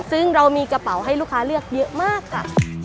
ซึ่งเรามีกระเป๋าให้ลูกค้าเลือกเยอะมากค่ะ